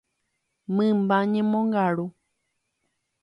Mymba ñemongaru.